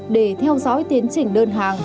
để theo dõi tiến trình đơn hàng